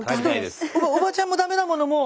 おばちゃんもダメだものもう。